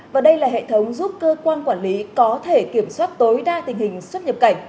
và đây là hệ thống giúp cơ quan quản lý có thể kiểm soát tối đa tình hình xuất nhập cảnh